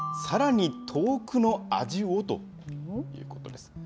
さらに遠くの味をということです。